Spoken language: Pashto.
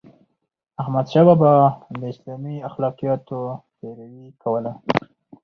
احمدشاه بابا د اسلامي اخلاقياتو پیروي کوله.